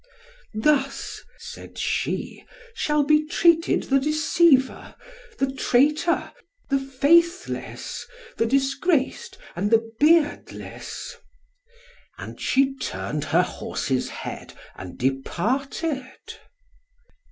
"Thus," said she, "shall be treated the deceiver, the traitor, the faithless, the disgraced, and the beardless." And she turned her horse's head, and departed.